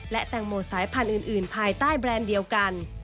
และแตงโมสายพันธุ์อื่นภายใต้แบรนด์เดียวกัน